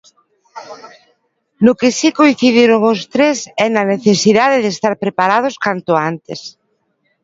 No que si coincidiron os tres é na necesidade de estar preparados canto antes.